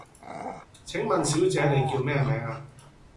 請問小姐你叫咩名呀?